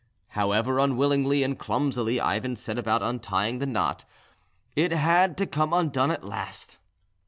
However unwillingly and clumsily Ivan set about untying the knot, it had to come undone at last.